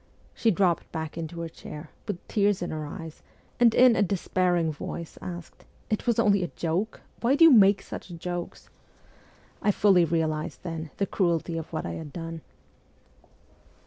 She dropped back into her chair, with tears in her eyes, and in a despairing voice asked :' It was only a joke ? Why do you make such jokes ?' I fully realized then the cruelty of what I had done.